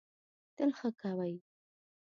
تل ښه کوی.